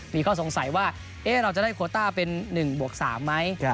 มีข้อสงสัยว่าเราจะได้โคต้าเป็น๑บวก๓ไหม